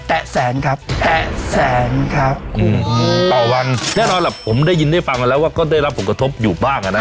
แสนครับแตะแสนครับอืมต่อวันแน่นอนแหละผมได้ยินได้ฟังกันแล้วว่าก็ได้รับผลกระทบอยู่บ้างอ่ะนะ